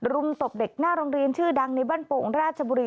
มตบเด็กหน้าโรงเรียนชื่อดังในบ้านโป่งราชบุรี